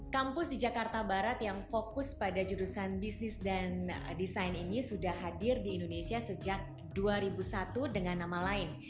kampus di jakarta barat yang fokus pada jurusan bisnis dan desain ini sudah hadir di indonesia sejak dua ribu satu dengan nama lain